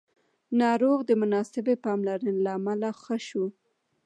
ناروغ د مناسبې پاملرنې له امله ښه شو